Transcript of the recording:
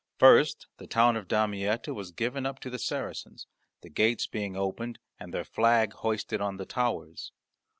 First the town of Damietta was given up to the Saracens, the gates being opened and their flag hoisted On the towers.